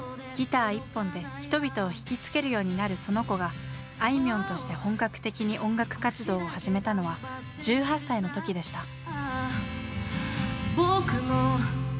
ギター一本で人々を引き付けるようになるその子があいみょんとして本格的に音楽活動を始めたのは１８歳の時でした。